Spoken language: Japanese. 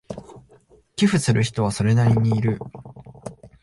寄付する人はそれなりにいる